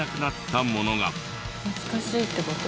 懐かしいって事？